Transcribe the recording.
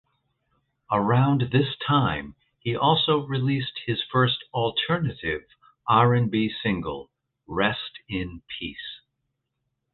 Around this time he also released his first Alternative RnB single "Rest In Peace".